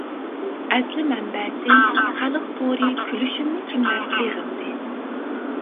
ئەسلى مەنبەسى : خەلق تورى كۈلۈشۈمنى كىملەر سېغىندى.